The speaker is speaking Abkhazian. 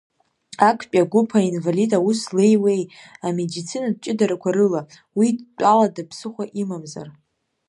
Актәи агәыԥ аинвалид аус злеиуеи, амедицинатә ҷыдарақәа рыла, уи дтәалада ԥсыхәа имамзар?